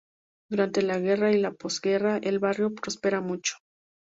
Durante la guerra y la postguerra el barrio prospera mucho.